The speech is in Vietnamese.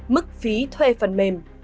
mức phí thuê phần mềm